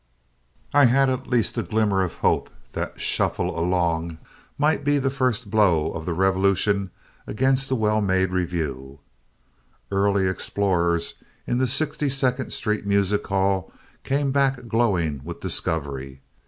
I had at least a glimmer of hope that Shuffle Along might be the first blow of the revolution against the well made revue. Early explorers in the Sixty Second Street Music Hall came back glowing with discovery.